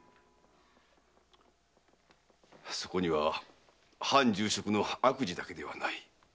そこには藩重職の悪事だけではない。